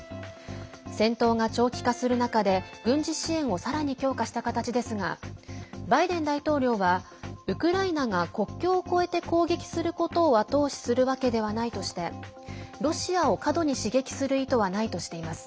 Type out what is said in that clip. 戦闘が長期化する中で軍事支援をさらに強化した形ですがバイデン大統領はウクライナが国境を越えて攻撃することを後押しするわけではないとしてロシアを過度に刺激する意図はないとしています。